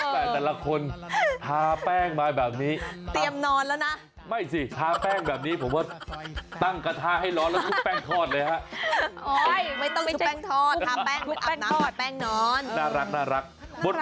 เพราะฉะนั้นไปฟังเพลงนี้กันครับ